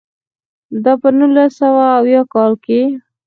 دا په نولس سوه اویاووه کال کې و.